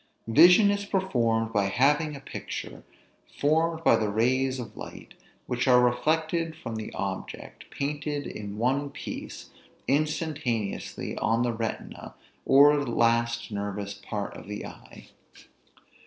Vision is performed by having a picture, formed by the rays of light which are reflected from the object, painted in one piece, instantaneously, on the retina, or last nervous part of the eye.